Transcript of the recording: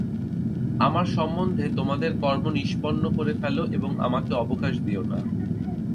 আমার সম্বন্ধে তোমাদের কর্ম নিম্পন্ন করে ফেল এবং আমাকে অবকাশ দিও না।